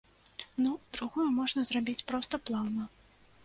Ну, другую можна зрабіць проста плаўна.